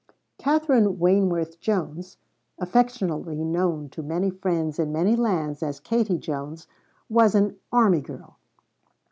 Katherine Wayneworth Jones, affectionately known to many friends in many lands as Katie Jones, was an "army girl."